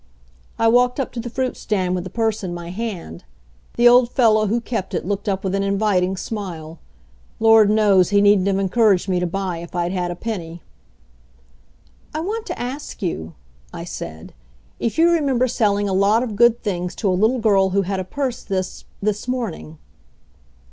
I walked up to the fruit stand with the purse in my hand. The old fellow who kept it looked up with an inviting smile. Lord knows, he needn't have encouraged me to buy if I'd had a penny. "I want to ask you," I said, "if you remember selling a lot of good things to a little girl who had a purse this this morning?"